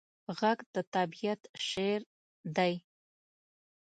غږ د طبیعت شعر دی